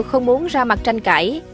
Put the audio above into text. không muốn ra mặt tranh cãi